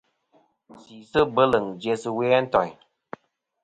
Sisɨ bweleŋ jæ sɨ we a ntoyn.